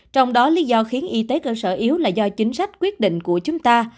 trong đó lý do khiến y tế cơ sở yếu là do chính sách quyết định của chúng ta